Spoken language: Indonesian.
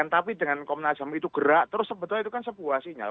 tapi dengan komnas ham itu gerak terus sebetulnya itu kan sebuah sinyal